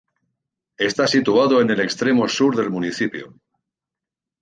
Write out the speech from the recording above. Está situado en el extremo sur del municipio.